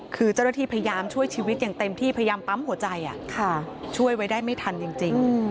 คือเจ้าหน้าที่พยายามช่วยชีวิตอย่างเต็มที่พยายามปั๊มหัวใจช่วยไว้ได้ไม่ทันจริง